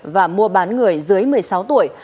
và mua bán người dưới một mươi sáu tuổi